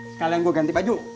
sekalian gua ganti baju